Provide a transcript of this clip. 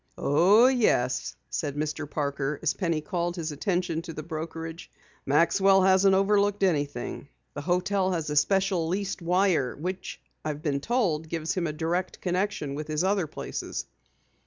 "Oh, yes," said Mr. Parker as Penny called his attention to the brokerage. "Maxwell hasn't overlooked anything. The hotel has a special leased wire which I've been told gives him a direct connection with his other places."